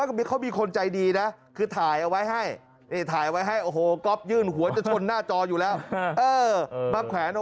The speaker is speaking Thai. เออบับแขนเอาไว้นะครับ